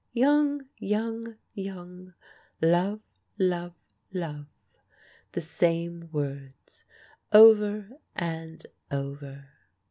"Young young young! Love love love!" the same words over and over.